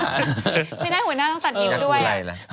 ไม่ได้หัวหน้าต้องตัดนิ้วด้วย